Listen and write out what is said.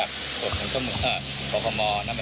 ไฟทั้งนู่นภามาร์